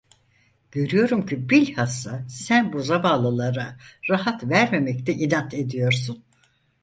Görüyorum ki bilhassa sen bu zavallılara rahat vermemekte inat ediyorsun.